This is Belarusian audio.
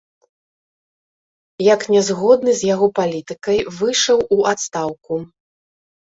Як нязгодны з яго палітыкай, выйшаў у адстаўку.